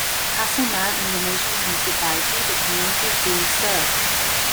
Casselman, and The Nation Municipality, the communities being served.